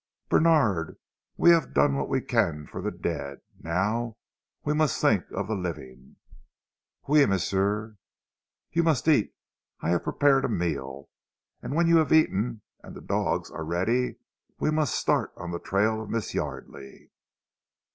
"Bènard, we have done what we can for the dead; now we must think of the living." "Oui, m'sieu!" "You must eat! I have prepared a meal. And when you have eaten and the dogs are ready we must start on the trail of Miss Yardely."